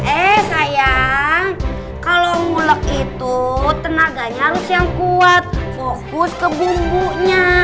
eh sayang kalau ngulek itu tenaganya harus yang kuat fokus ke bumbunya